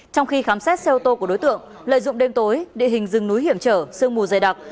trong khi khám xét xe ô tô của đối tượng lợi dụng đêm tối địa hình rừng núi hiểm trở sương mù dày đặc